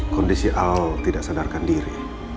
kondisi al tidak sadarkan diri